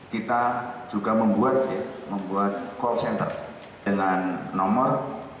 kita juga membuat call center dengan nomor delapan ratus tiga belas delapan ratus tujuh puluh ribu tiga puluh tiga